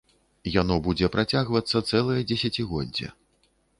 Яно будзе працягвацца цэлае дзесяцігоддзе.